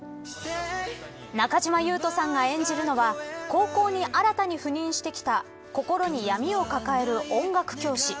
中島裕翔さんが演じるのは高校に新たに赴任してきた心に闇を抱える音楽教師